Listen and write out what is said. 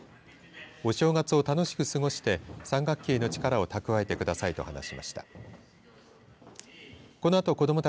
お正月を楽しく過ごして３学期への力を蓄えてくださいと話しました。